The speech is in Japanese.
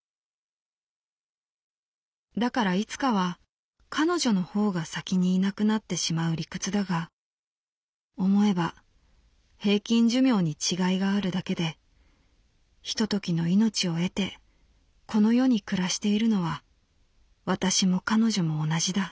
だからいつかは彼女の方が先にいなくなってしまう理屈だが思えば平均寿命に違いがあるだけでひとときの命を得てこの世に暮らしているのは私も彼女も同じだ」。